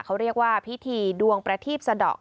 เขาเรียกว่าพิธีดวงประทีบสะดอก